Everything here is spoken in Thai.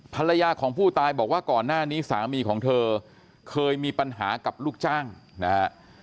ภรรยาของผู้ตายบอกว่าก่อนหน้านี้สามีของเธอเคยมีปัญหากับลูกจ้างนะฮะ